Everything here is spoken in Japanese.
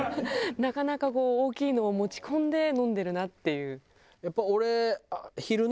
なかなかこう大きいのを持ち込んで飲んでるなっていう。